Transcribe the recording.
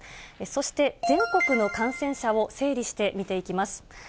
そして、全国の感染者を整理して見ていきます。